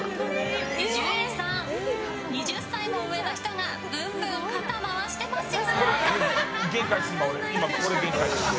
伊集院さん、２０歳も上の人がぐるぐる肩回してますよ。